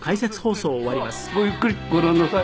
さあごゆっくりご覧なさい。